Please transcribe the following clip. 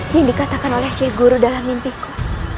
yang dikatakan oleh sheikh guru dalam mimpiku